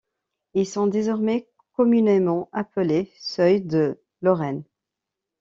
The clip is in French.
Ils sont désormais communément appelés seuil de Lorraine.